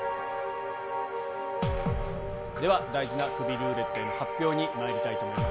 では大事なクビルーレットの発表にまいりたいと思います。